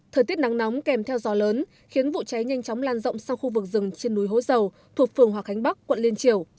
thời tiết nắng nóng kèm theo gió lớn khiến vụ cháy nhanh chóng lan rộng sang khu vực rừng trên núi hối dầu thuộc phường hòa khánh bắc quận liên triều